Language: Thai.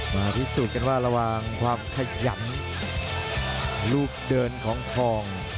มาพิสูจน์กันว่าระหว่างความขยันลูกเดินของทอง